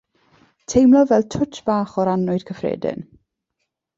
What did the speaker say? Teimlo fel twtsh bach o'r annwyd cyffredin.